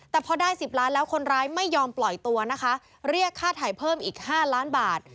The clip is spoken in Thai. แต่พอได้๑๐ล้านแล้วคนร้ายไม่ยอมปล่อยตัวนะคะเรียกค่าถ่ายเพิ่มอีก๕ล้านบาท